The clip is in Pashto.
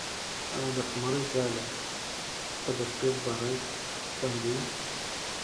آیا د قمرۍ ځالۍ به د شپې په باران کې خوندي وي؟